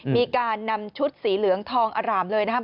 มีการนำชุดสีเหลืองทองอร่ามเลยนะครับ